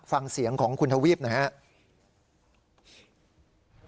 ฟังเสียงของคุณทวีปหน่อยครับ